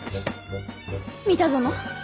三田園